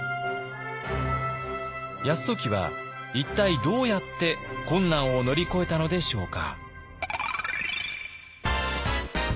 泰時は一体どうやって困難を乗り越えたのでしょうか。